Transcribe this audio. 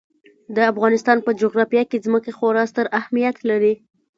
د افغانستان په جغرافیه کې ځمکه خورا ستر اهمیت لري.